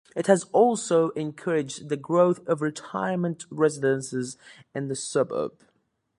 It also has encouraged the growth of retirement residences in the suburb.